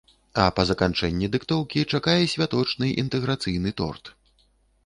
А па заканчэнні дыктоўкі чакае святочны, інтэграцыйны торт.